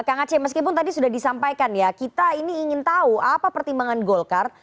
kang aceh meskipun tadi sudah disampaikan ya kita ini ingin tahu apa pertimbangan golkar